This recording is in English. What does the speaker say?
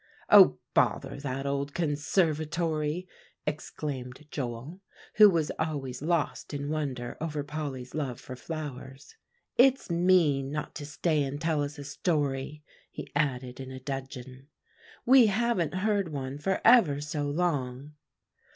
"Oh, bother that old conservatory!" exclaimed Joel, who was always lost in wonder over Polly's love for flowers; "it's mean not to stay and tell us a story," he added in a dudgeon; "we haven't heard one for ever so long."